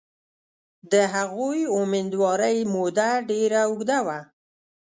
د هغوی امیندوارۍ موده ډېره اوږده وه.